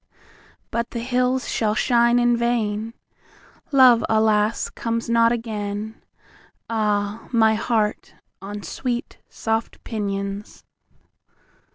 But the hills shall shine in vain, Love, alas, comes not again, Ah, my heart, on sweet soft pinions!